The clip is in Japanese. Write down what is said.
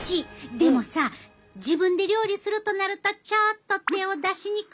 でもさ自分で料理するとなるとちょっと手を出しにくい感じない？